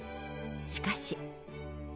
しかし。